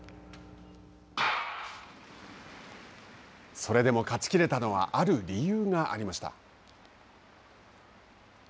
それでも勝ちきれたのはある理由がありました。